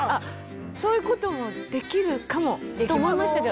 そういうこともできるかもと思いましたけど。